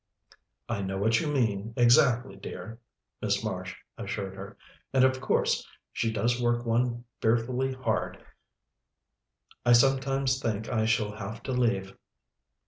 "I know what you mean exactly, dear," Miss Marsh assured her. "And of course she does work one fearfully hard. I sometimes think I shall have to leave."